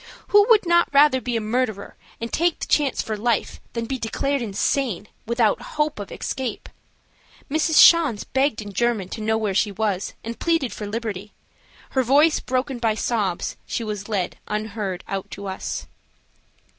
Who would not rather be a murderer and take the chance for life than be declared insane, without hope of escape? Mrs. Schanz begged in German to know where she was, and pleaded for liberty. Her voice broken by sobs, she was led unheard out to us.